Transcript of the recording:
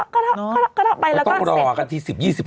ก็เทาะไปแล้วก็เสร็จก็ต้องรอกันที๑๐๒๐นาที